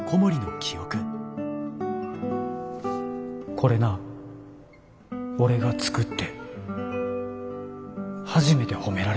これな俺が作って初めて褒められたねじや。